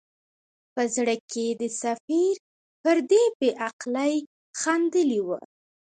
په زړه کې یې د سفیر پر دې بې عقلۍ خندلي وه.